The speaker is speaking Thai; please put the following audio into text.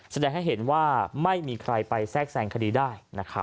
แสดงให้เห็นว่าไม่มีใครไปแทรกแซงคดีได้